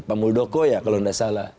pak muldoko ya kalau tidak salah